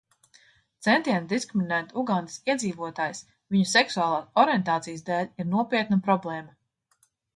Centieni diskriminēt Ugandas iedzīvotājus viņu seksuālās orientācijas dēļ ir nopietna problēma.